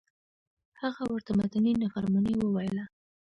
هغه ورته مدني نافرماني وویله.